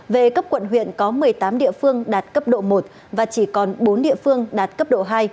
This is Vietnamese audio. về cấp quận huyện có một mươi tám địa phương đạt cấp độ một và chỉ còn bốn địa phương đạt cấp độ hai